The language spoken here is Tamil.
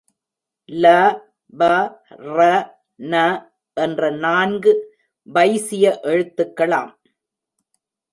ல, வ, ற, ன என்ற நான்கு வைசிய எழுத்துக்களாம்.